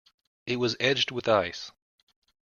It was edged with ice.